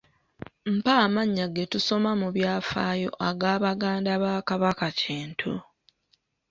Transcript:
Mpa amannya ge tusoma mu byafaayo aga baganda ba Kabaka Kintu